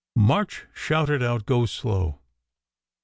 March shouted out, Go slow